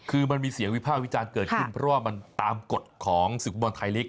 คือมันมีเสียงวิภาควิจารณ์เกิดขึ้นเพราะว่ามันตามกฎของศึกฟุตบอลไทยลีก